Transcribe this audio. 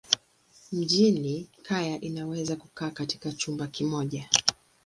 Mjini kaya inaweza kukaa katika chumba kimoja.